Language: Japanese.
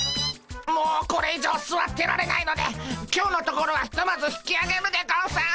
もうこれ以上すわってられないので今日のところはひとまず引きあげるでゴンス！